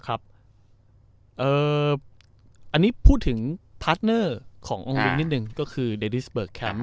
อันนี้พูดถึงพาร์ทเนอร์ขององค์ลิงนิดนึงก็คือเดดิสเบิกแคมป